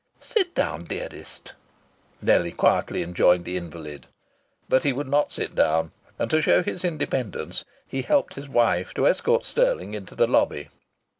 "Sit down, dearest," Nellie quietly enjoined the invalid. But he would not sit down, and, to show his independence, he helped his wife to escort Stirling into the lobby.